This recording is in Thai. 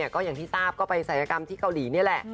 ก็อย่างที่ทราบจะไปสายกรรมเนี่ยแหละ